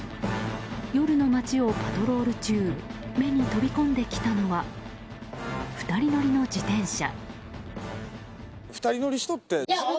夜の街をパトロール中目に飛び込んできたのは２人乗りの自転車。